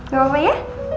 gak apa apa ya